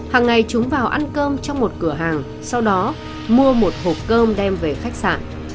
hàng ngày chúng vào ăn cơm trong một cửa hàng sau đó mua một hộp cơm đem về khách sạn